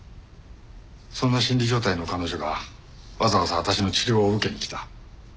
そんな心理状態の彼女がわざわざ私の治療を受けに来た。